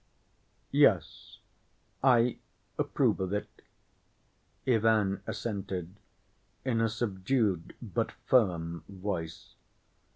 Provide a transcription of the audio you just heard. "Yes, I approve of it," Ivan assented, in a subdued but firm voice.